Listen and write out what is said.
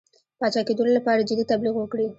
پاچاکېدلو لپاره جدي تبلیغ وکړي.